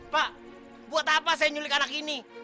pak buat apa saya nyulik anak ini